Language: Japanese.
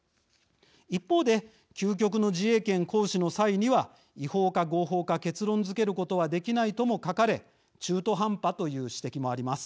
一方で究極の自衛権行使の際には違法か合法か結論づけることはできないとも書かれ中途半端という指摘もあります。